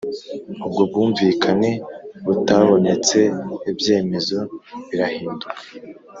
ubwo bwumvikane butabonetse ibyemezo birahinduka